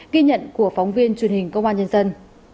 ghi nhận của phóng viên truyền hình công an nhân dân